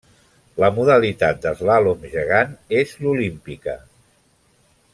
La modalitat d'Eslàlom gegant és l'olímpica.